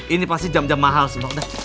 ini pasti jam jam mahal semua